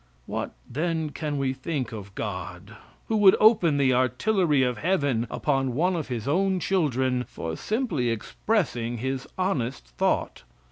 What then can we think of God who would open the artillery of heaven upon one of his own children for simply expressing his honest thought?